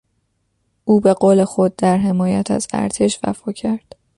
او به قول خود در حمایت از ارتش وفا کرد.